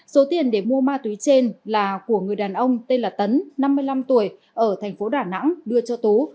số tiền để mua ma túy trên là của người đàn ông tên là tấn năm mươi năm tuổi ở thành phố đà nẵng đưa cho tú